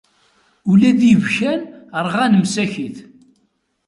Ula d ibkan rɣan msakit.